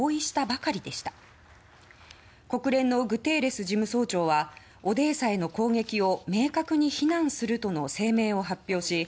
仲介に当たった国連のグテーレス事務総長は２３日オデーサへの攻撃を明確に非難するとの声明を発表しました。